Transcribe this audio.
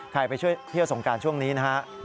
ใครไปช่วยเที่ยวสงกรานช่วงนี้นะครับ